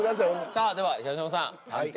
さあでは東野さん判定